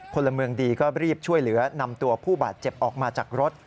พลเมืองดีก็รีบช่วยเหลือนำตัวผู้บาดเจ็บออกมาจากรถ